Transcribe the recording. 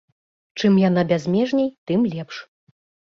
Чым яна бязмежней, тым лепш.